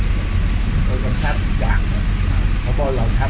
คือบอกว่าได้กำชันอะไรบางสิ่ง